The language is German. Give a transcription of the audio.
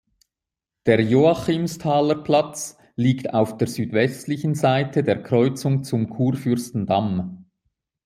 Der Joachimsthaler Platz liegt auf der südwestlichen Seite der Kreuzung zum Kurfürstendamm.